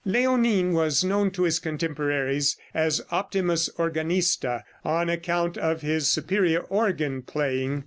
Léonin was known to his contemporaries as "Optimus Organista," on account of his superior organ playing.